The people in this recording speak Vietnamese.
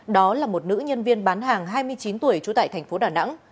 đó là một nữ nhân viên bán hàng hai mươi chín tuổi trú tại thành phố đà nẵng